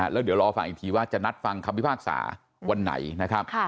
แล้วเดี๋ยวรอฟังอีกทีว่าจะนัดฟังคำวิภาคศาสตร์วันไหน